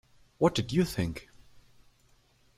What did you think?